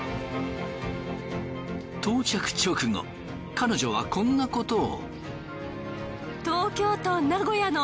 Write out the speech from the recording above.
到着直後彼女はこんなことを。